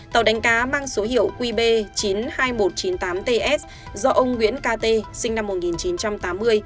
tàu đánh cá mang số hiệu qb chín mươi hai nghìn một trăm chín mươi tám ts do ông nguyễn kt sinh năm một nghìn chín trăm tám mươi